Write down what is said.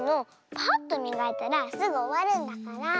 パッとみがいたらすぐおわるんだから。